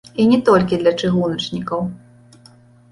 І не толькі для чыгуначнікаў.